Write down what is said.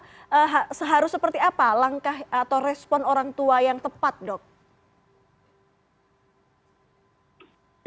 seharusnya seperti apa langkah atau respon orang tua yang tepat dok